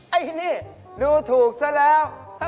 ไอ้นี่ดูถูกซะแล้ว